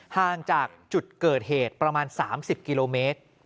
ห่างจากจุดเกิดเหตุประมาณ๓๐กิโลเมตร